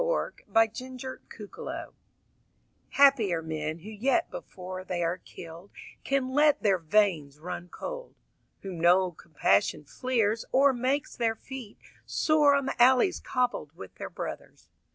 Insensibility I Happy are men who yet before they are killed Can let their veins run cold. Whom no compassion fleers Or makes their feet Sore on the alleys cobbled with their brothers.